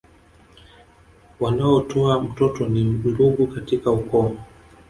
Wanaotoa mtoto ni ndugu katika ukoo